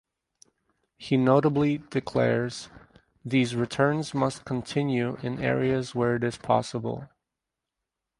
He notably declares "These returns must continue in areas where it is possible".